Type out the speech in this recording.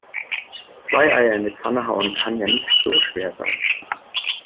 Zwei Eier in die Pfanne hauen kann ja nicht so schwer sein.